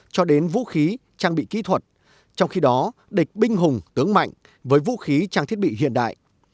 cho đến vũ khí trang bị kỹ thuật trong khi đó địch binh hùng tướng mạnh với vũ khí trang thiết bị hiện đại